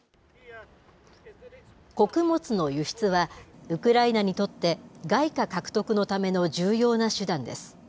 穀物の輸出は、ウクライナにとって外貨獲得のための重要な手段です。